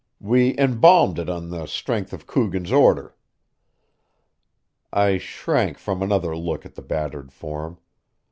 "We embalmed it on the strength of Coogan's order." I shrank from another look at the battered form.